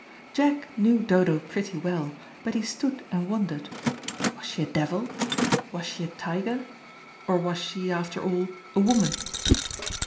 Jack knew Dodo pretty well, but he stood and wondered. Was she a devil? was she a tiger? or was she, after all, a woman?